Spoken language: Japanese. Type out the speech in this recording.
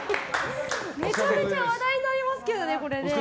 めちゃめちゃ話題になりますけどね。